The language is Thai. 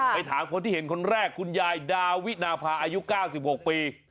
ไปถามคนที่เห็นคนแรกคุณยายดาวินาภาอายุ๙๖ปี